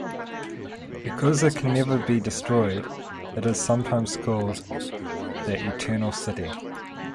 Because it can never be destroyed, it is sometimes called "The Eternal City".